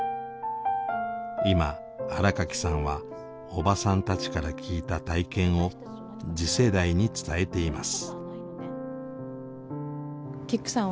今新垣さんはおばさんたちから聞いた体験を次世代に伝えています。